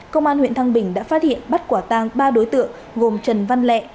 công an huyện thăng bình đã phát hiện bắt quả tang ba đối tượng gồm trần văn lẹ